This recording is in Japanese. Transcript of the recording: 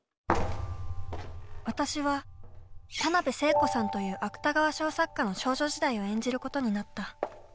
私は田辺聖子さんという芥川賞作家の少女時代を演じることになった。